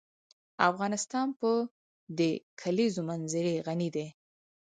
افغانستان په د کلیزو منظره غني دی.